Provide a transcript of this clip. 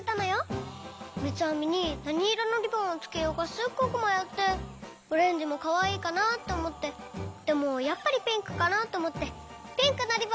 みつあみになにいろのリボンをつけようかすっごくまよってオレンジもかわいいかなっておもってでもやっぱりピンクかなっておもってピンクのリボンをつけました。